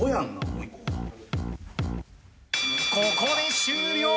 ここで終了！